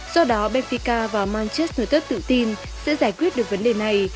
do đó benfica và manchester united tự tin sẽ giải quyết được vấn đề này